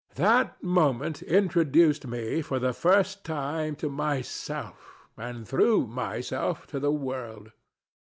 That moment introduced me for the first time to myself, and, through myself, to the world.